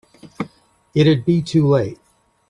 It'd be too late.